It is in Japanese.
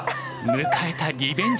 迎えたリベンジの日。